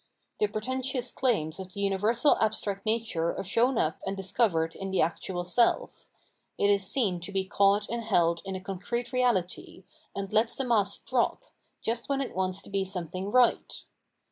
The pretentious claims of the universal abstract nature are shown up and discovered in the actual self ; it is seen to be caught and held in a con crete reality, and lets the mask drop, just when it wants to be something right.